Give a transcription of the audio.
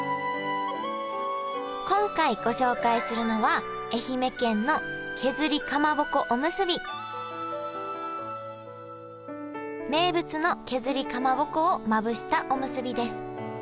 今回ご紹介するのは名物の削りかまぼこをまぶしたおむすびです。